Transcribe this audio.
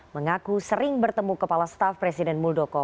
mengaku sering bertemu kepala staf presiden muldoko